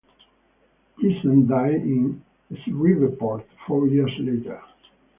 Pleasant died in Shreveport four years later.